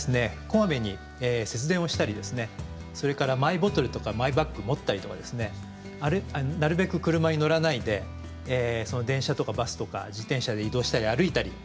こまめに節電をしたりですねそれからマイボトルとかマイバッグ持ったりとかですねなるべく車に乗らないで電車とかバスとか自転車で移動したり歩いたり。